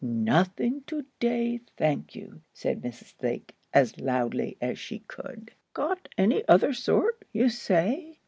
"Nothing to day, thank you!" said Mrs. Lake, as loudly as she could. "Got any other sort, you say?"